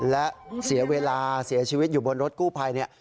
และเสียเวลาเสียชีวิตอยู่บนรถกู้ภัยเนี่ย